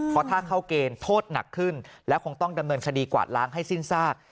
เพราะถ้าเข้าเกณฑ์โทษหนักขึ้นและคงต้องดำเนินคดีกวาดล้างให้สิ้นซาก